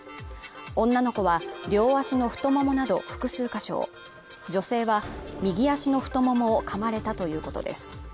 女の子は両足の太ももなど複数箇所を女性は右足の太ももをかまれたということです